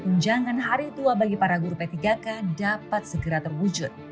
tunjangan hari tua bagi para guru p tiga k dapat segera terwujud